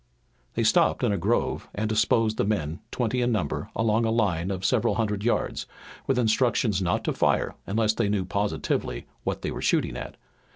They stopped in a grove and disposed the men, twenty in number, along a line of several hundred yards, with instructions not to fire unless they knew positively what they were shooting at.